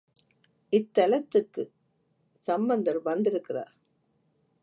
இத்தலத்துக்குச் சம்பந்தர் வந்திருக்கிறார்.